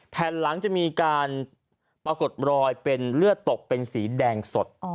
แผ่นหลังจะมีการปรากฏรอยเป็นเลือดตกเป็นสีแดงสด